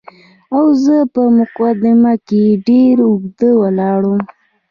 او زه په مقدمه کې ډېر اوږد ولاړم.